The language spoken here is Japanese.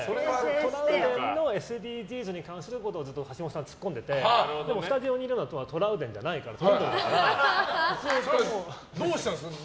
トラウデンのＳＤＧｓに関することをずっと橋下さんは突っ込んでてでもスタジオにいるのはトラウデンじゃなくてどうしたんですか？